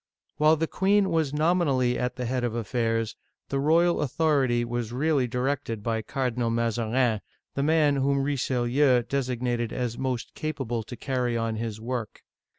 While the queen was nominally at the head of affairs, the royal authority was really directed by Cardinal Mazarin, the man whom Richelieu designated as most capable to carry on his work.